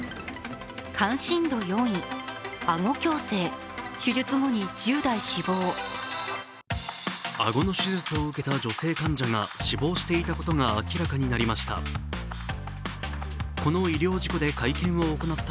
あごの手術を受けた女性患者が死亡していたことが明らかになりました。